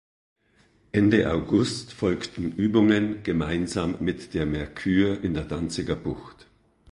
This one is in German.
Ende August folgten Übungen gemeinsam mit der "Mercur" in der Danziger Bucht.